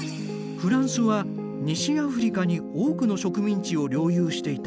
フランスは西アフリカに多くの植民地を領有していた。